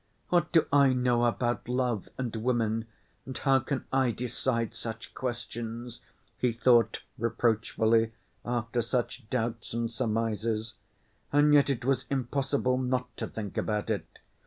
"What do I know about love and women and how can I decide such questions?" he thought reproachfully, after such doubts and surmises. And yet it was impossible not to think about it.